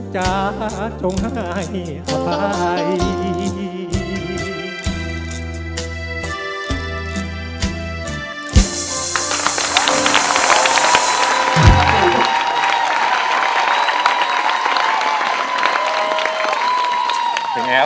จะจงให้สบาย